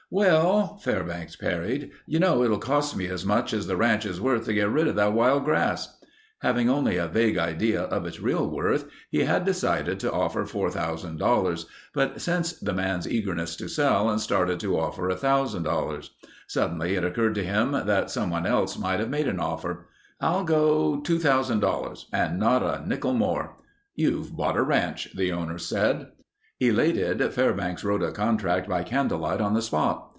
"Well," Fairbanks parried, "you know it'll cost me as much as the ranch is worth to get rid of that wild grass." Having only a vague idea of its real worth he had decided to offer $4000, but sensed the man's eagerness to sell and started to offer $1000. Suddenly it occurred to him that someone else might have made an offer. "I'll go $2000 and not a nickel more." "You've bought a ranch," the owner said. Elated, Fairbanks wrote a contract by candlelight on the spot.